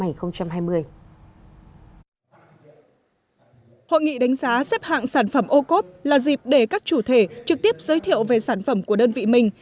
hội nghị đánh giá xếp hạng sản phẩm ô cốp là dịp để các chủ thể trực tiếp giới thiệu về sản phẩm của đơn vị mình